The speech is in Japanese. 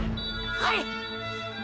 はい！！